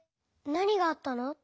なにがあったの？